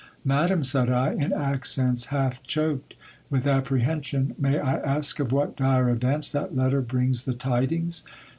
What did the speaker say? Madam, said I, in accents half choked with apprehension, may I ask of what dire events that letter brings the tidings